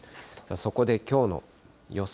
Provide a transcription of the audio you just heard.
そこできょうの予想